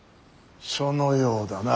そのようだな。